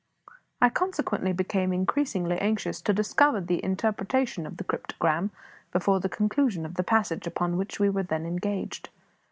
I consequently became increasingly anxious to discover the interpretation of the cryptogram before the conclusion of the passage upon which we were then engaged.